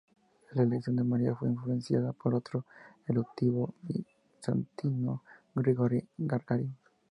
La elección de María fue influenciada por otro erudito bizantino, Grigory Gagarin.